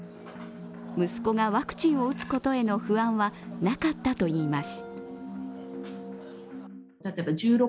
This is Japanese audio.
息子がワクチンを打つことへの不安はなかったといいます。